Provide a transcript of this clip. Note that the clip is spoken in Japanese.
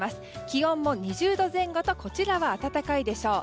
気温も２０度前後とこちらは暖かいでしょう。